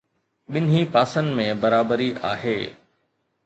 ٻنهي پاسن ۾ برابري آهي.